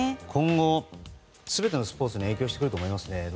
今後、全てのスポーツに影響してくると思いますね